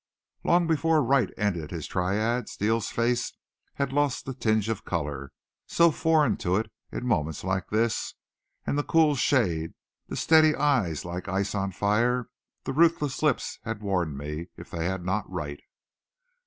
Long before Wright ended his tirade Steele's face had lost the tinge of color, so foreign to it in moments like this; and the cool shade, the steady eyes like ice on fire, the ruthless lips had warned me, if they had not Wright.